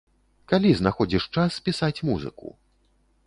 Калі знаходзіш час пісаць музыку?